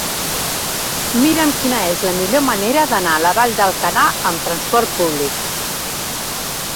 Mira'm quina és la millor manera d'anar a la Vall d'Alcalà amb transport públic.